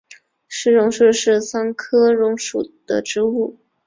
石榕树是桑科榕属的植物。